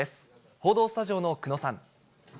報道スタジオの久野さん。